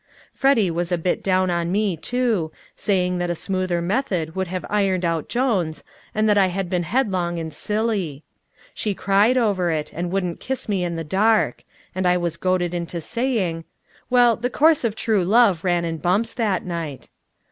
Freddy was a bit down on me, too, saying that a smoother method would have ironed out Jones, and that I had been headlong and silly. She cried over it, and wouldn't kiss me in the dark; and I was goaded into saying well, the course of true love ran in bumps that night.